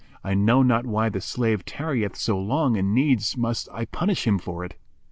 I know not why the slave tarrieth so long and needs must I punish him for it."